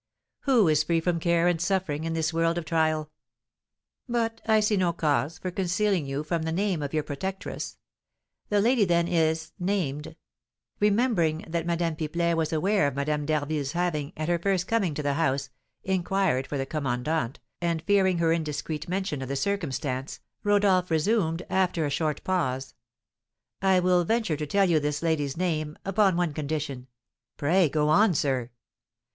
"Who is free from care and suffering in this world of trial? But I see no cause for concealing from you the name of your protectress. The lady, then, is named " Remembering that Madame Pipelet was aware of Madame d'Harville's having, at her first coming to the house, inquired for the commandant, and fearing her indiscreet mention of the circumstance, Rodolph resumed, after a short pause: "I will venture to tell you this lady's name, upon one condition " "Pray go on, sir."